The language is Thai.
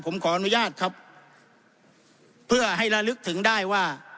ผมขออนุญาตครับเพื่อให้ระลึกถึงได้ว่า